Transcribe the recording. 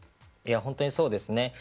本当にそうですね。